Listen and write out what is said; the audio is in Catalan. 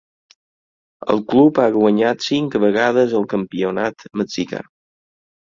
El club ha guanyat cinc vegades el campionat mexicà.